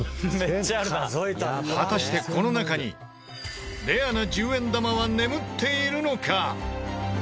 果たしてこの中にレアな１０円玉は眠っているのか？